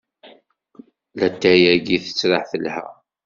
Latay-agi tettraḥ telha.